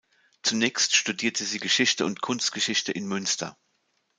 Zunächst studierte sie Geschichte und Kunstgeschichte in Münster.